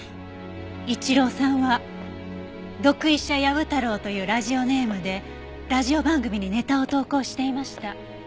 一郎さんは「毒医者ヤブ太郎」というラジオネームでラジオ番組にネタを投稿していました。